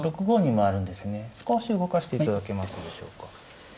少し動かしていただけますでしょうか。